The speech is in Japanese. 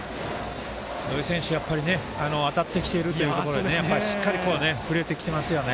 土井選手、やっぱり当たってきているということでしっかり振れてきていますね。